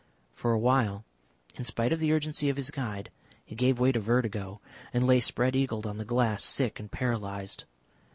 For awhile, in spite of the urgency of his guide, he gave way to vertigo and lay spread eagled on the glass, sick and paralysed.